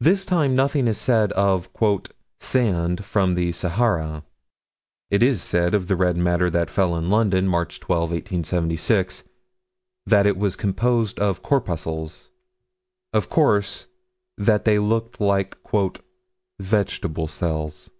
This time nothing is said of "sand from the Sahara." It is said of the red matter that fell in London, March 12, 1876, that it was composed of corpuscles Of course: That they looked like "vegetable cells."